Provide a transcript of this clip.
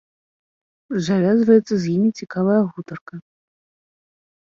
Завязваецца з імі цікавая гутарка.